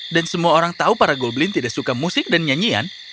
dan semua orang tahu para goblin tidak suka musik dan nyanyian